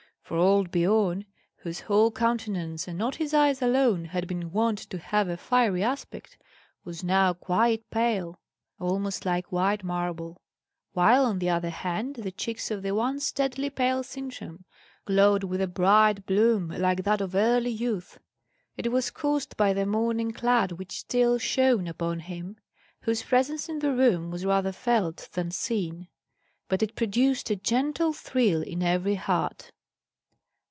For old Biorn, whose whole countenance, and not his eyes alone, had been wont to have a fiery aspect, was now quite pale, almost like white marble; while, on the other hand, the cheeks of the once deadly pale Sintram glowed with a bright bloom like that of early youth. It was caused by the morning cloud which still shone upon him, whose presence in the room was rather felt than seen; but it produced a gentle thrill in every heart.